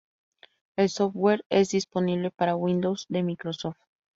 El software es disponible para Windows de Microsoft.